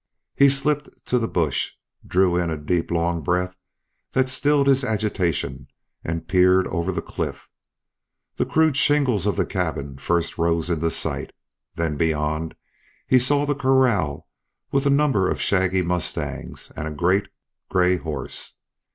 Hare slipped to the bush, drew in a deep long breath that stilled his agitation, and peered over the cliff. The crude shingles of the cabin first rose into sight; then beyond he saw the corral with a number of shaggy mustangs and a great gray horse.